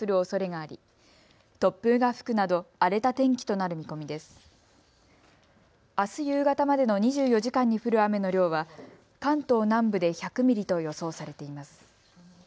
あす夕方までの２４時間に降る雨の量は関東南部で１００ミリと予想されています。